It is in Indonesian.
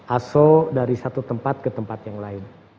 aso dari satu tempat ke tempat yang lain